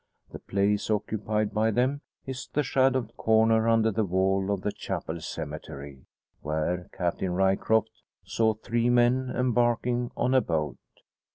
The place occupied by them is the shadowed corner under the wall of the chapel cemetery, where Captain Ryecroft saw three men embarking on a boat.